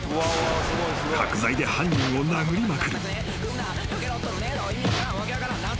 ［角材で犯人を殴りまくる］